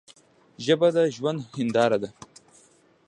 ژبه د ژوند هنداره ده.